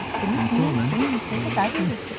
そういう事あるんですよ。